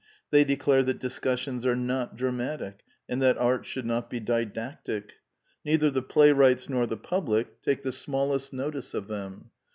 They declare that discissions are not dramatic, and that art should not be didactic. Neither the play wrights nor the public take the smallest notice 2 14 ^^^ Quintessence of Ibsenism of them.